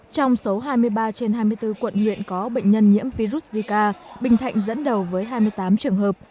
trong số hai mươi ba trên hai mươi bốn quận huyện có bệnh nhân nhiễm virus zika bình thạnh dẫn đầu với hai mươi tám trường hợp